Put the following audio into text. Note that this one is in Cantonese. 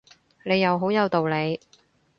你又好有道理